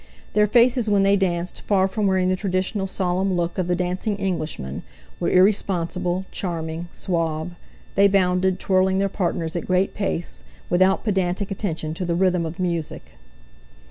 Their faces when they danced, far from wearing the traditional solemn look of the dancing Englishman, were irresponsible, charming, suave; they bounded, twirling their partners at great pace, without pedantic attention to the rhythm of the music.